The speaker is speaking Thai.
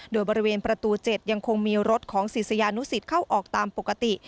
โดยบริเวณประตู๗ยังคงมีรถของศิษยานุสิตเข้าออกตามปกติ